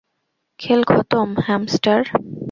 খেল খতম, হ্যামস্টার।